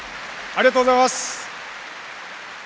ありがとうございます。